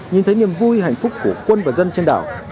nhìn thấy niềm vui hạnh phúc của quân và dân trên đảo